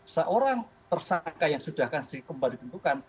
seorang tersangka yang sudah kembali tentukan